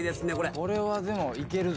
これはでもいけるぞ。